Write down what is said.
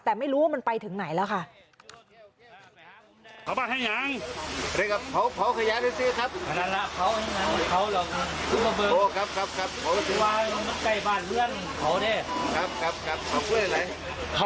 แต่ไม่รู้ว่ามันไปถึงไหนแล้วค่ะ